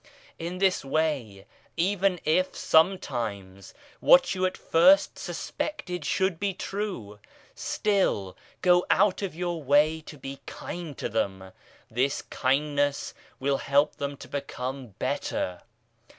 In this way, even if, sometimes, what you at first suspected should be true, still go out of your way to be kind to them this kindness will help them to become better.